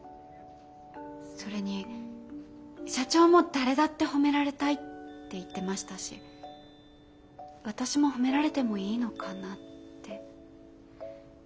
それに社長も誰だって褒められたいって言ってましたし私も褒められてもいいのかなって。